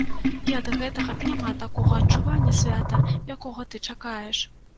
І ад гэтага няма такога адчування свята, якога ты чакаеш.